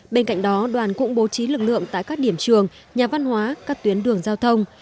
bên cạnh đó đoàn cũng bố trí lực lượng tại các điểm trường nhà văn hóa các tuyến đường giao thông